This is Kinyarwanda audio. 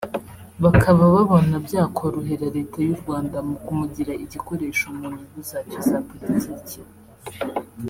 bakaba babona byakorohera Leta y’u Rwanda mu kumugira igikoresho mu nyungu zacyo za politiki